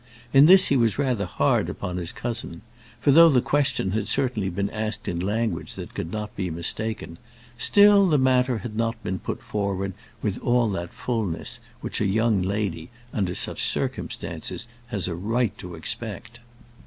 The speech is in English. In this he was rather hard upon his cousin; for, though the question had certainly been asked in language that could not be mistaken, still the matter had not been put forward with all that fulness which a young lady, under such circumstances, has a right to expect.